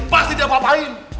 pasti dia mau apa apain